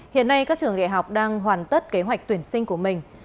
hiện nay các trường đại học đang hoàn tất kế hoạch tuyển sinh của mình